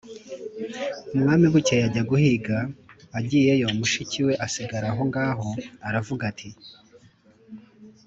umwami bukeye ajya guhiga, agiyeyo, mushiki we asigara aho ngaho, aravuga ati: